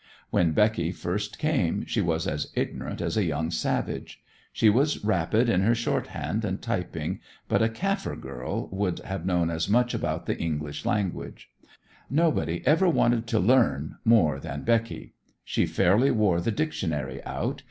When Becky first came she was as ignorant as a young savage. She was rapid at her shorthand and typing, but a Kafir girl would have known as much about the English language. Nobody ever wanted to learn more than Becky. She fairly wore the dictionary out.